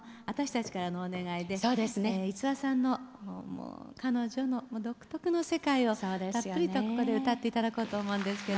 五輪さんの彼女の独特の世界をたっぷりとここで歌っていただこうと思うんですけど。